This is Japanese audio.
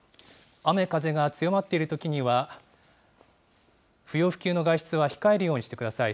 雨風が強まっているときには、不要不急の外出は控えるようにしてください。